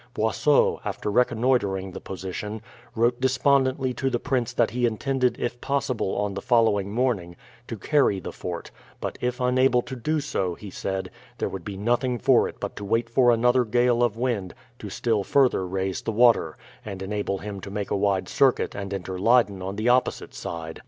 Boisot, after reconnoitering the position, wrote despondently to the prince that he intended if possible on the following morning to carry the fort, but if unable to do so, he said, there would be nothing for it but to wait for another gale of wind to still further raise the water, and enable him to make a wide circuit and enter Leyden on the opposite side.